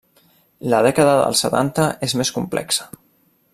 La dècada dels setanta és més complexa.